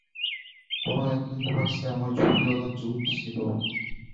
কোনো এক ইউনিভার্সে আমার ঝুঁটিওয়ালা চুল ছিল।